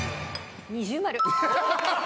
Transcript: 二重丸。